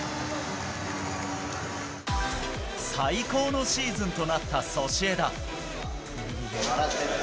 最高のシーズンとなったソシエダ。